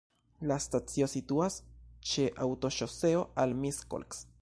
La stacio situas ĉe aŭtoŝoseo al Miskolc.